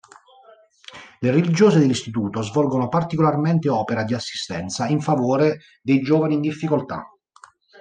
Le religiose dell'istituto svolgono particolarmente opera di assistenza in favore dei giovani in difficoltà.